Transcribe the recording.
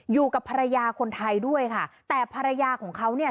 อยู่กับภรรยาคนไทยด้วยค่ะแต่ภรรยาของเขาเนี่ย